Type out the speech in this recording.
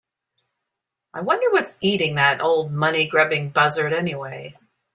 I wonder what's eating that old money grubbing buzzard anyway?